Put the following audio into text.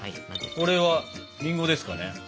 これはりんごですかね。